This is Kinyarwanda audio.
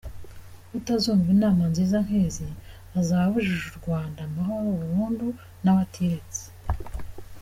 Utazumva inama nziza nk’izi, azaba abujije u Rwanda amahoro burundu, na we atiretse!